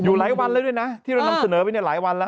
อยู่หลายวันเลยด้วยนะที่เรานำเสนอไปหลายวันแล้ว